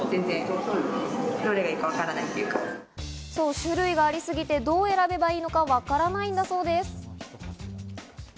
種類がありすぎでどう選べばいいのかわからないんだそうです。